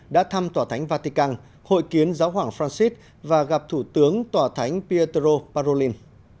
đã thăm tòa thánh vatican hội kiến giáo hoàng francis và gặp thủ tướng tòa thánh peter parolin